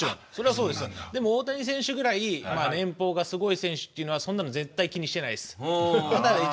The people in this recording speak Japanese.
でも、大谷選手くらい年俸がすごい選手はそんなの絶対気にしてないです。